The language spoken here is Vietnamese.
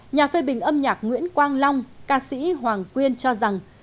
nhà phê bình âm nhạc nguyễn quang long ca sĩ hoàng quyên cho rằng